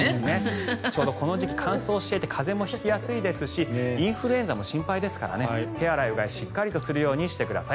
ちょうどこの季節は乾燥していてインフルエンザも心配ですから手洗い、うがいをしっかりするようにしてください。